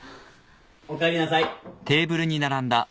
おかえりなさい。